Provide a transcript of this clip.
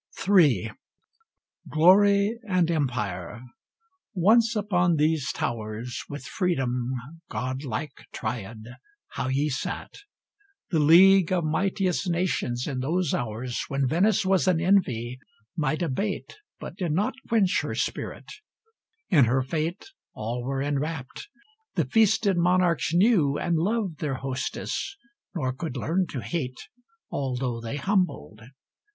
III Glory and Empire! once upon these towers With Freedom godlike Triad! how ye sate! The league of mightiest nations in those hours When Venice was an envy, might abate, But did not quench her spirit; in her fate All were enwrapped: the feasted monarchs knew And loved their hostess, nor could learn to hate, Although they humbled.